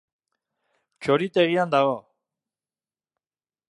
Txoritegian dago.